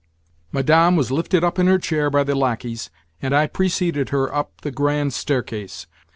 Madame was lifted up in her chair by the lacqueys, and I preceded her up the grand staircase.